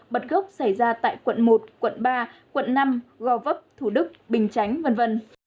bật gốc xảy ra tại quận một quận ba quận năm gò vấp thủ đức bình chánh v v